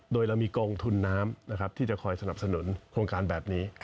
โดยเรามีกองทุนน้ำนะครับที่จะคอยสนับสนุนโครงการแบบนี้